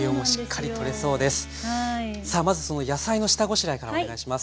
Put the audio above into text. さあまず野菜の下ごしらえからお願いします。